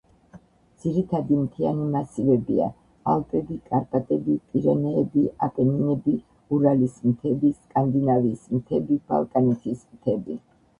ძირითადი მთიანი მასივებია: ალპები, კარპატები, პირენეები, აპენინები, ურალის მთები, სკანდინავიის მთები, ბალკანეთის მთები.